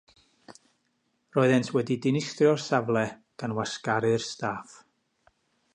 Roeddent wedi dinistrio'r safle, gan wasgaru'r staff.